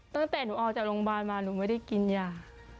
ตั้งแต่หนูออกจากโรงพยาบาลมาหนูไม่ได้กินยา